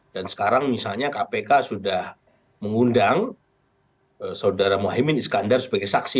dan sekarang misalnya kpk sudah mengundang saudara muhyiddin iskandar sebagai saksi